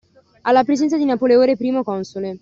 Alla presenza di Napoleone Primo Console